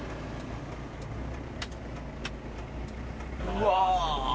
うわ！